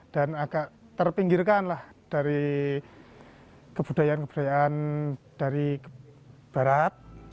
dan agak terpinggirkan lah dari kebudayaan kebudayaan dari barat